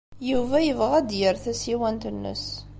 Yuba yebɣa ad d-yerr tasiwant-nnes.